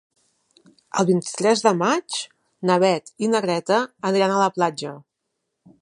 El vint-i-tres de maig na Beth i na Greta aniran a la platja.